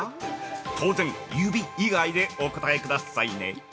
当然「指」以外でお答えくださいね。